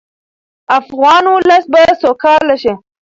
افغان ولس به سوکاله شي.